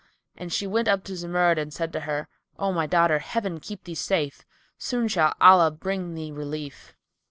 And she went up to Zumurrud and said to her, "O my daughter, Heaven keep thee safe; soon shall Allah bring thee relief."